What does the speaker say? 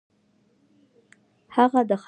هغه د خلکو پوهاوی دی.